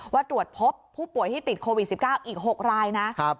ว่าตรวจพบผู้ป่วยที่ติดโควิด๑๙อีก๖รายนะ